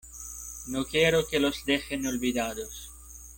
No quiero que los dejen olvidados.